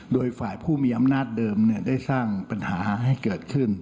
โดยฝ่ายผู้มีอำนาจเดิมได้สร้างปัญหาให้เกิดขึ้น